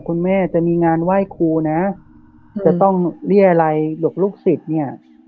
คุณแม่จะมีงานไหว้ครูนะจะต้องเรียรัยหกลูกศิษย์เนี่ย